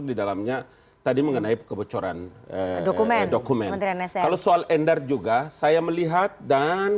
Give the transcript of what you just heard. pertanyaannya tadi mengenai kebocoran dokumen dokumen kalau soal endar juga saya melihat dan